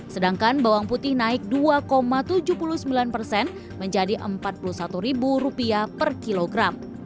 sedangkan bawang putih naik dua tujuh puluh sembilan persen menjadi rp empat puluh satu per kilogram